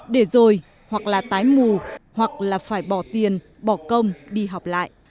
để rồi hoặc là tái mù hoặc là phải bỏ tiền bỏ công đi học lại